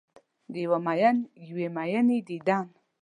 د یو میین یوې میینې دیدن